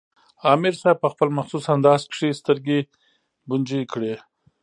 امیر صېب پۀ خپل مخصوص انداز کښې سترګې بنجې کړې